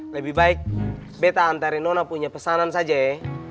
lebih baik beta antarin nona punya pesanan saja ya